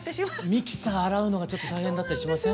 ミキサー洗うのがちょっと大変だったりしません？